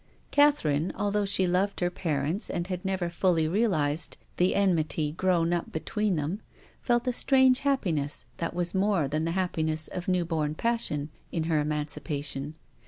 Catherine, although she loved her parents and had never fully realised the enmity grown up be tween them, felt a strange happiness, that was more than the happiness of new born passion, in her emancipation.